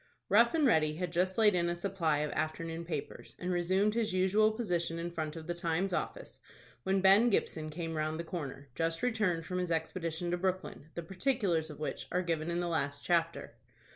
Rough and Ready had just laid in a supply of afternoon papers, and resumed his usual position in front of the "Times" office, when Ben Gibson came round the corner, just returned from his expedition to Brooklyn, the particulars of which are given in the last chapter.